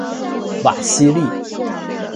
瓦西利。